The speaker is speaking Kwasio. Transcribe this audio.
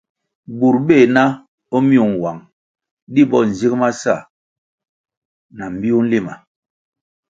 Bur beh na o myung nwang, di bo nzig ma sa na mbpiu nlima.